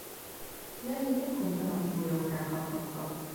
Nevét egykori alapítója után kaphatta.